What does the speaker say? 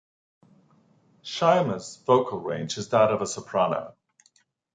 Shy’m’s vocal range is that of a soprano.